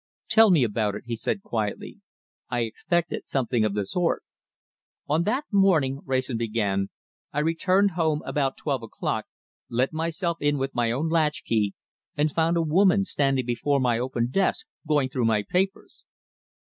"Tell me about it," he said quietly. "I expected something of the sort!" "On that morning," Wrayson began, "I returned home about twelve o'clock, let myself in with my own latch key, and found a woman standing before my open desk going through my papers."